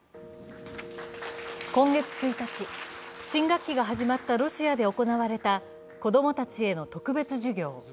今月１日、新学期が始まったロシアで行われた子供たちへの特別授業。